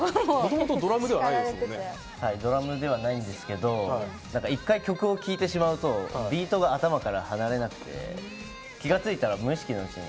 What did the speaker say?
もともとドラムではないんですけど、一回、曲を聴いてしまうとビートが頭から離れなくて、気が付いたら無意識に。